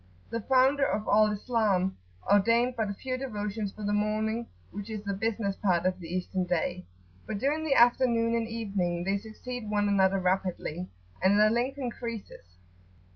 The founder of Al Islam ordained but few devotions for the morning, which is the business part of the Eastern day; but during the afternoon and evening they succeed one another rapidly, and their length increases.